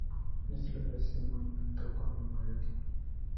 En este lugar, existe un monumento conmemorativo.